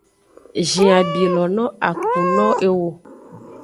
Zhin abi lo no a ku no eo.